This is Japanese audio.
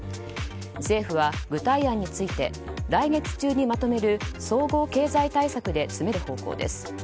政府は、具体案について来月中にまとめる総合経済対策で詰める方向です。